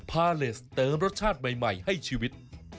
พาเลสเติมรสชาติใหม่ให้ชีวิต